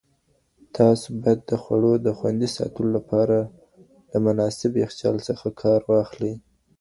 تاسو باید د خوړو د خوندي ساتلو لپاره له مناسب یخچال څخه کار واخلئ.